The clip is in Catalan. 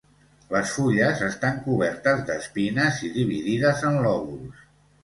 Les fulles estan cobertes d'espines i dividides en lòbuls.